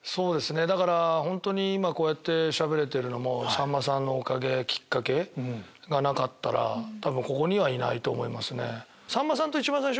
だから今こうやって喋れてるのもさんまさんのおかげきっかけがなかったら多分ここにはいないと思いますね。